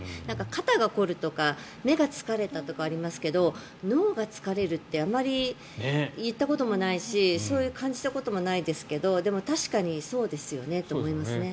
肩が凝るとか目が疲れたとかありますけど脳が疲れるってあまり言ったこともないしそう感じたこともないですけどでも確かにそうですよねと思いますね。